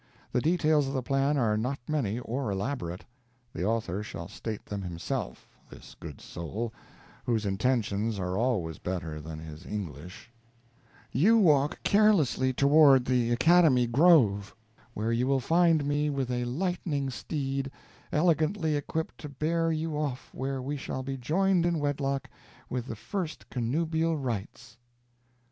The details of the plan are not many or elaborate. The author shall state them himself this good soul, whose intentions are always better than his English: "You walk carelessly toward the academy grove, where you will find me with a lightning steed, elegantly equipped to bear you off where we shall be joined in wedlock with the first connubial rights."